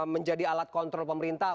menjadi alat kontrol pemerintah